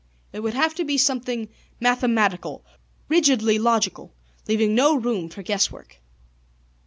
It would have to be something mathematical, rigidly logical, leaving no room for guess work.